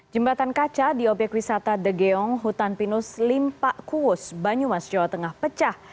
jembatan kaca di obyek wisata degeong hutan pinus limpa kuus banyumas jawa tengah pecah